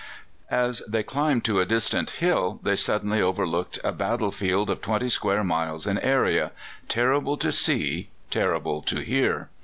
'" As they climbed to a distant hill they suddenly overlooked a battle field of twenty square miles in area terrible to see, terrible to hear.